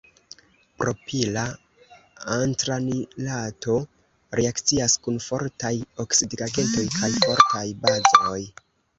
Propila antranilato reakcias kun fortaj oksidigagentoj kaj fortaj bazoj.